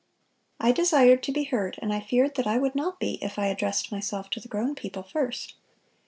I desired to be heard, and I feared that I would not be if I addressed myself to the grown people first."